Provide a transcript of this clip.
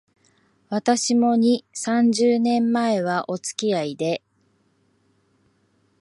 私も、二、三十年前は、おつきあいで